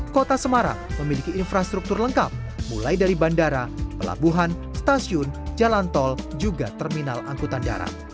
kota semarang memiliki infrastruktur lengkap mulai dari bandara pelabuhan stasiun jalan tol juga terminal angkutan darat